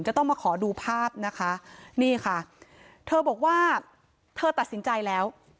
จะต้องมาขอดูภาพนะคะนี่ค่ะเธอบอกว่าเธอตัดสินใจแล้ว